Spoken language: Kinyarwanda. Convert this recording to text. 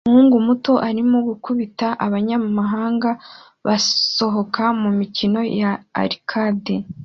Umuhungu muto arimo gukubita abanyamahanga basohoka mumikino ya arcade